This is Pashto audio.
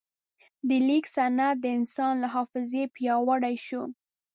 د لیک سند د انسان له حافظې پیاوړی شو.